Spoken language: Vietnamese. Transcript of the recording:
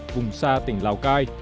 vùng xa tỉnh lào cai